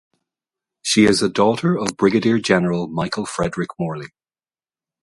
She is a daughter of Brigadier General Michael Frederick Morley.